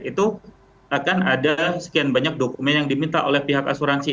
itu akan ada sekian banyak dokumen yang diminta oleh pihak asuransi